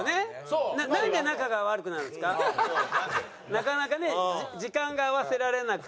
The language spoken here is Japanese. なかなかね時間が合わせられなくて。